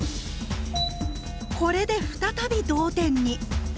これで再び同点に。